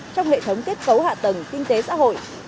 trong hệ thống kết cấu hạ tầng kinh tế xã hội